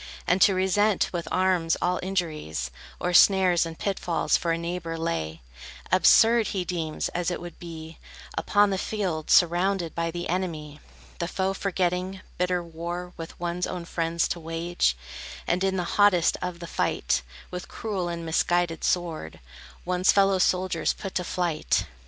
And to resent with arms all injuries, Or snares and pit falls for a neighbor lay, Absurd he deems, as it would be, upon The field, surrounded by the enemy, The foe forgetting, bitter war With one's own friends to wage, And in the hottest of the fight, With cruel and misguided sword, One's fellow soldiers put to flight.